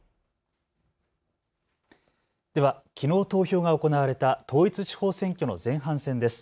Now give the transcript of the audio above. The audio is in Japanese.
では、きのう投票が行われた統一地方選挙の前半戦です。